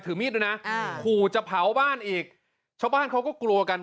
มีดด้วยนะอ่าขู่จะเผาบ้านอีกชาวบ้านเขาก็กลัวกัน